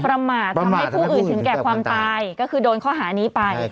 ประมาททำให้ผู้อื่นถึงแก่ความตายก็คือโดนข้อหานี้ไป